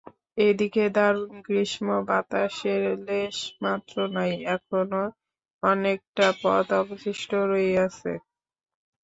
এদিকে দারুণ গ্রীষ্ম, বাতাসের লেশমাত্র নাই, এখনও অনেকটা পথ অবশিষ্ট রহিয়াছে।